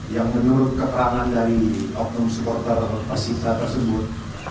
yang menurut keperangan dari oknum supporter persisolo tersebut